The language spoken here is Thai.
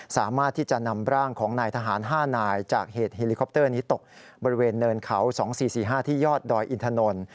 สามารถที่จะนำร่างของนายทหาร๕นายจากเหตุเฮลิคอปเตอร์นี้ตกบริเวณเนินเขา๒๔๔๕ที่ยอดดอยอินทนนท์